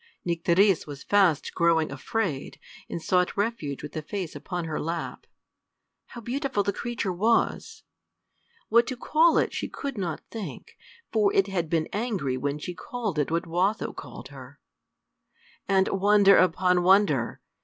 Nycteris was fast growing afraid, and sought refuge with the face upon her lap. How beautiful the creature was! what to call it she could not think, for it had been angry when she called it what Watho called her. And, wonder upon wonder!